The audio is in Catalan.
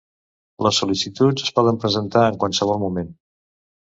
Les sol·licituds es poden presentar en qualsevol moment.